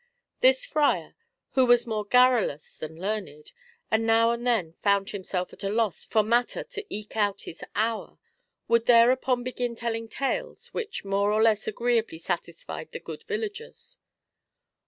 This friar, who was more garrulous than learned, and now and then found himself at a loss for matter to eke out his hour, would thereupon begin telling tales which more or less agreeably satisfied the good villagers.